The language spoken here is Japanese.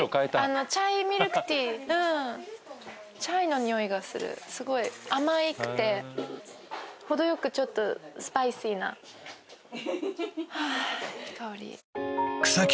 チャイミルクティーうんチャイのにおいがするすごい甘くてほどよくちょっとスパイシーなはあいい香り草木